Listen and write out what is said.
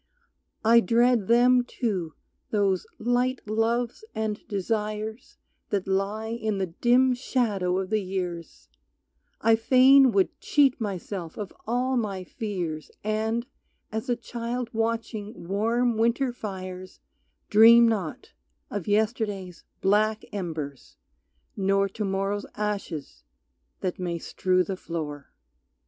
I dread them too, those light loves and desires That lie in the dim shadow of the years; I fain would cheat myself of all my fears And, as a child watching warm winter fires, Dream not of yesterday's black embers, nor To morrow's ashes that may strew the floor.